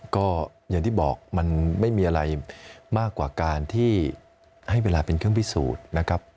ก็อย่างที่บอกมันไม่มีอะไรมากกว่าการที่ให้เวลาเป็นเครื่องพิสูจน์นะครับ